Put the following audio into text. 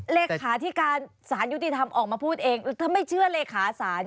เลขาธิการสารยุติธรรมออกมาพูดเองถ้าไม่เชื่อเลขาสาร